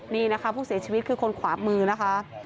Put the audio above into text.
นี่นะคะผู้เสียชีวิตคือคนขวามือนะคะ